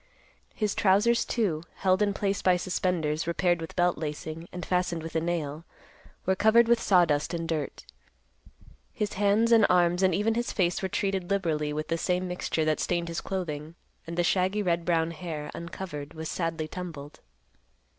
His trousers, too, held in place by suspenders repaired with belt lacing and fastened with a nail, were covered with sawdust and dirt. His hands and arms and even his face were treated liberally with the same mixture that stained his clothing; and the shaggy red brown hair, uncovered, was sadly tumbled.